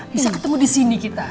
bisa ketemu disini kita